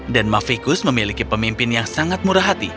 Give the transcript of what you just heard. dan mavikus memiliki pemimpin yang sangat murah hati